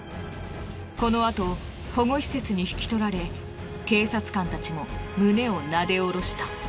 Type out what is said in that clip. このあと保護施設に引き取られ警察官たちも胸をなでおろした。